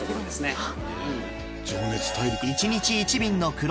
はい。